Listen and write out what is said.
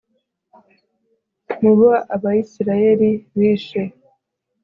mu bo abayisraheli bishe